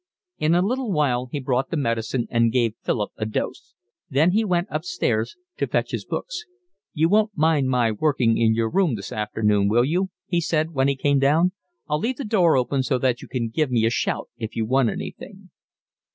In a little while he brought the medicine and gave Philip a dose. Then he went upstairs to fetch his books. "You won't mind my working in your room this afternoon, will you?" he said, when he came down. "I'll leave the door open so that you can give me a shout if you want anything."